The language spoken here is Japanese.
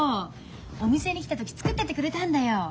お店に来た時作ってってくれたんだよ。